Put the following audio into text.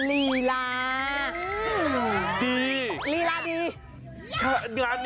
กินจุ๊กก็แข่งไปแล้ว